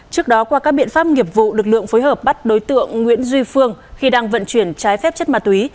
trước đó qua các biện pháp nghiệp vụ lực lượng phối hợp bắt đối tượng nguyễn duy phương khi đang vận chuyển trái phép chất ma túy